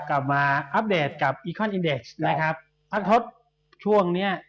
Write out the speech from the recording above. มาอัปเดตกับอีคอนอินเด็กซ์นะครับพักทดช่วงเนี้ย